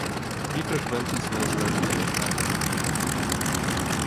Li frekventis mezlernejon en Lvivo.